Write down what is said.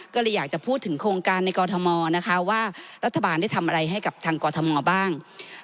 ก็เลยอยากจะพูดถึงโครงการในกรทมนะคะว่ารัฐบาลได้ทำอะไรให้กับทางกรทมบ้าง